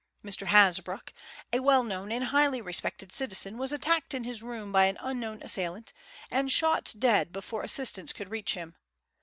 Mr. Hasbrouck, a well known and highly respected citizen, was attacked in his room by an unknown assailant, and shot dead before assistance could reach him.